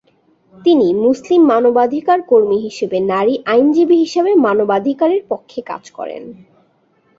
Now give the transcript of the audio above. তিনি মুসলিম মানবাধিকার কর্মী হিসেবে নারী আইনজীবী হিসেবে মানবাধিকারের পক্ষে কাজ করেন।